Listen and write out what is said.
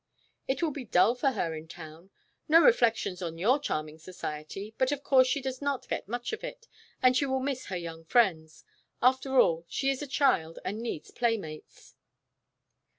"It will be dull for her in town. No reflections on your charming society, but of course she does not get much of it, and she will miss her young friends. After all, she is a child and needs playmates."